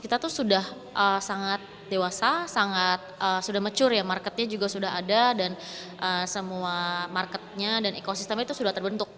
kita tuh sudah sangat dewasa sangat sudah mature ya marketnya juga sudah ada dan semua marketnya dan ekosistemnya itu sudah terbentuk